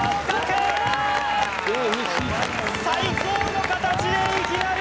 最高の形でいきなり！